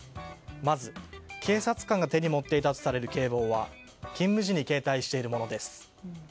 まず、警察官が手に持っていたとされる警棒は勤務時に携帯しているものです。